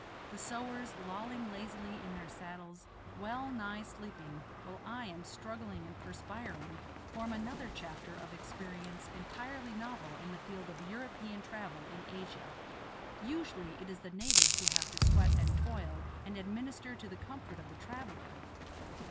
The sowars lolling lazily in their saddles, well nigh sleeping, while I am struggling and perspiring, form another chapter of experience entirely novel in the field of European travel in Asia. Usually it is the natives who have to sweat and toil and administer to the comfort of the traveller.